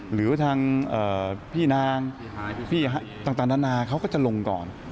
หรือทางพี่นางพี่ต่างนานาเขาก็จะลงก่อน